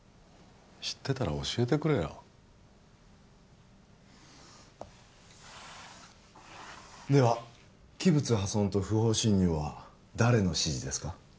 知ってたら教えてくれよでは器物破損と不法侵入は誰の指示ですか？